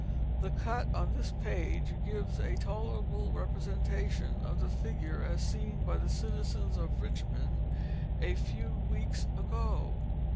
The cut on this page gives a tolerable representation of the figure as seen by the citizens of Richmond a few weeks ago.